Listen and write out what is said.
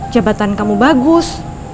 jabatan kamu bagus